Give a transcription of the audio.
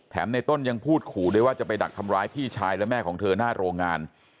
ในต้นยังพูดขู่ด้วยว่าจะไปดักทำร้ายพี่ชายและแม่ของเธอหน้าโรงงาน